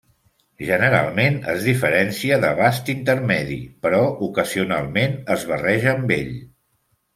Generalment es diferencia de vast intermedi, però ocasionalment es barreja amb ell.